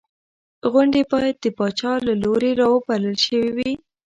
غونډې باید د پاچا له لوري رابلل شوې وې.